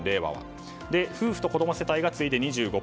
夫婦と子供世帯が次いで２５％。